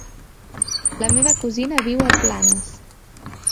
La meva cosina viu a Planes.